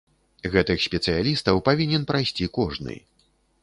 Гэтых спецыялістаў павінен прайсці кожны.